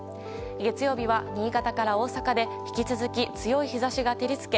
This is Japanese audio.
月曜日は新潟から大阪で引き続き強い日差しが照り付け